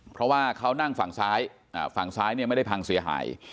เพราะว่าเขานั่งฝั่งซ้ายฝั่งซ้ายเนี่ยไม่ได้พังเสียหาย